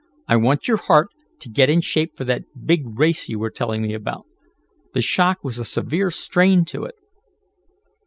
"I want your heart to get in shape for that big race you were telling me about. The shock was a severe strain to it."